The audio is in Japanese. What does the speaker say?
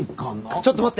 ちょっと待って！